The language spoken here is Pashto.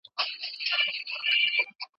که خطر ونه منې نو لوی بریالیتوب نسي ترلاسه کولای.